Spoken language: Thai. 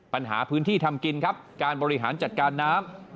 ปัญหาพื้นที่ทำกินครับการบริหารจัดการน้ำ